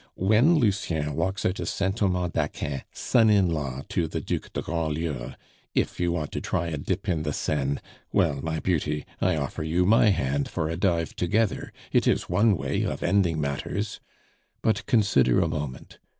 When Lucien walks out of Saint Thomas d'Aquin son in law to the Duc de Grandlieu, if you want to try a dip in the Seine Well, my beauty, I offer you my hand for a dive together. It is one way of ending matters. "But consider a moment.